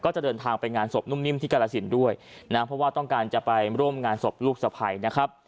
จะเดินทางไปงานศพนุ่มนิ่มที่กรสินด้วยนะเพราะว่าต้องการจะไปร่วมงานศพลูกสะพัยนะครับ